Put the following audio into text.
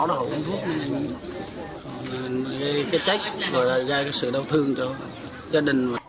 rồi họ uống thuốc nên gây cái trách gây cái sự đau thương cho gia đình